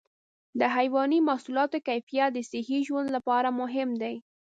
د حيواني محصولاتو کیفیت د صحي ژوند لپاره مهم دی.